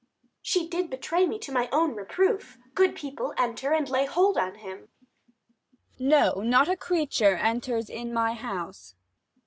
Adr. She did betray me to my own reproof. 90 Good people, enter, and lay hold on him. Abb. No, not a creature enters in my house.